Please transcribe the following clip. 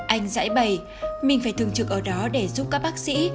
anh giải bày mình phải thường trực ở đó để giúp các bác sĩ